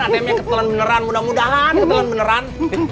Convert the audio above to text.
ademnya ketelan beneran mudah mudahan ketelan beneran